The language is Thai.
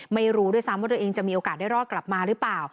ไม่รู้ด้วยซ้ำว่าตัวเองจะมีโอกาสได้รอดกลับมาหรือเปล่า